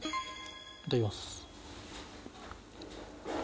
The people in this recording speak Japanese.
いただきます。